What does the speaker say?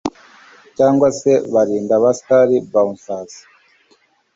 cyngwa se barinda aba star(bouncers